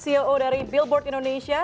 ceo dari billboard indonesia